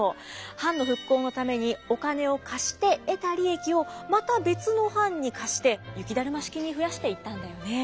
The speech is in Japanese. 藩の復興のためにお金を貸して得た利益をまた別の藩に貸して雪だるま式に増やしていったんだよね。